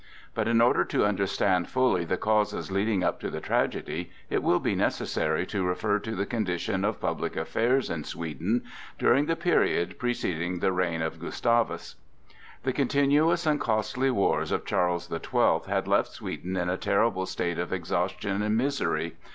But in order to understand fully the causes leading up to the tragedy, it will be necessary to refer to the condition of public affairs in Sweden during the period preceding the reign of Gustavus. The continuous and costly wars of Charles the Twelfth had left Sweden in a terrible state of exhaustion and misery.